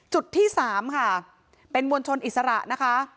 จุดที่๓ค่ะเป็นมวลชนอิสระนะคะ